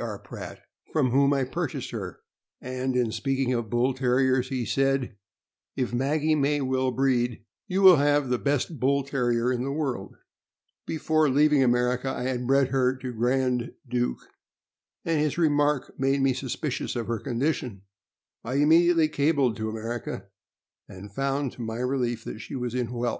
R. Pratt, from whom I pur chased her; and in speaking of Bull Terriers, he said: "If Owned by F. F. Dole, 115 Blake street, New Haven, Conn Maggie May will breed, you have the best Bull Terrier in the world." Before leaving America I had bred her to Grand Duke, and his remark made me suspicious of her condition. I immediately cabled to America, and found, to my relief, that she was in whelp.